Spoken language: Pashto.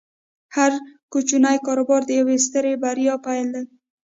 هر کوچنی کاروبار د یوې سترې بریا پیل دی۔